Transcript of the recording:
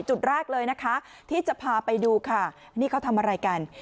จุดแรกเลยนะคะที่จะพาไปดูค่ะนี่เขาทำอะไรกัน